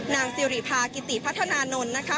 นางสิริพากิติพัฒนานนท์นะคะ